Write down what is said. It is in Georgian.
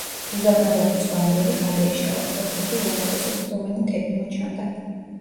უზარმაზარი მწვანე ველი გადაიშალა, ფონზე კი ულამაზესი კლდოვანი მთები მოჩანდა.